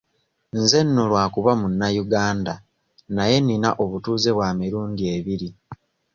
Nze nno lwakuba munnayuganda naye nina obutuuze bwa mirundi ebiri.